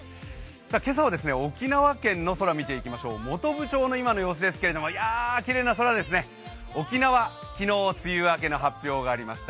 今朝は沖縄県の空見ていきましょう、本部町の今の様子ですけれども、きれいな空ですね、沖縄、昨日梅雨明けの発表がありました。